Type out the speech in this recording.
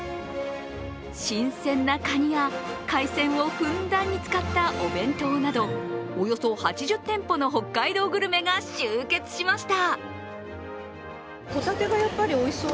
新鮮なかにや、海鮮をふんだんに使ったお弁当など、およそ８０店舗の北海道グルメが集結しました。